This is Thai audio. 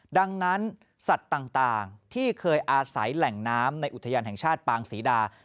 ดังนั้นสัตว์ต่างที่เคยอาศัยแหล่งน้ำในอุทยานแห่งชาติปางศรีดา